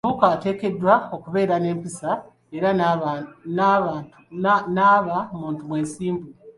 Kibuuka ateekeddwa okubeera n'empisa era n'aba muntu mwesimbu.